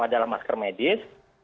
adalah masker medis